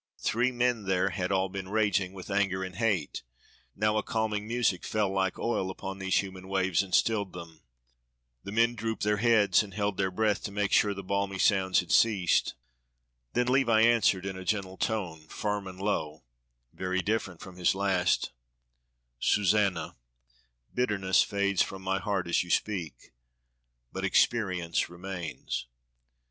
Three men there had all been raging with anger and hate; now a calming music fell like oil upon these human waves, and stilled them. The men drooped their heads, and held their breath to make sure the balmy sounds had ceased. Then Levi answered in a tone gentle, firm, and low (very different from his last), "Susanna, bitterness fades from my heart as you speak; but experience remains."